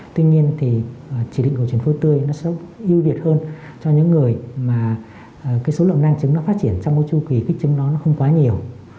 tuy nhiên thì chỉ định của chuyển phôi tươi nó sẽ yêu việt hơn cho những người mà số lượng năng trứng nó phát triển trong một chư kỳ kích trứng đó không quá nhiều